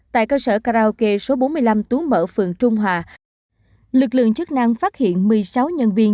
tại cơ sở karaoke số bốn mươi năm tú mở phường trung hòa lực lượng chức năng phát hiện một mươi sáu nhân viên